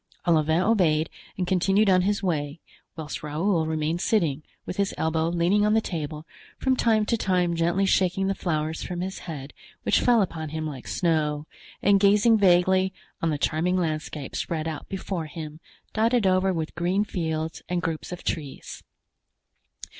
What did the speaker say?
Olivain obeyed and continued on his way, whilst Raoul remained sitting, with his elbow leaning on the table, from time to time gently shaking the flowers from his head, which fell upon him like snow, and gazing vaguely on the charming landscape spread out before him, dotted over with green fields and groups of trees.